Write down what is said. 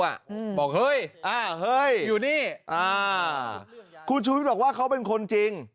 บอกเฮ้ยอ่าเฮ้ยอยู่นี่อ่าคุณชูวิทย์บอกว่าเขาเป็นคนจริง